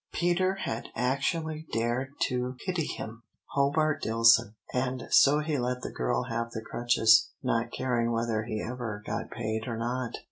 Peter had actually dared to pity him Hobart Dillson, and so had let the girl have the crutches, not caring whether he ever got paid or not.